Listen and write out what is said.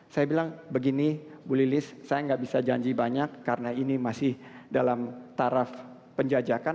saya bilang begini bu lilis saya nggak bisa janji banyak karena ini masih dalam taraf penjajakan